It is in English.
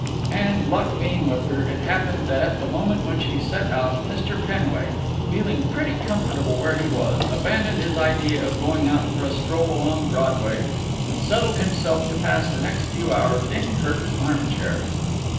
And, luck being with her, it happened that at the moment when she set out, Mr. Penway, feeling pretty comfortable where he was, abandoned his idea of going out for a stroll along Broadway and settled himself to pass the next few hours in Kirk's armchair.